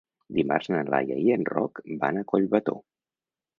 Dimarts na Laia i en Roc van a Collbató.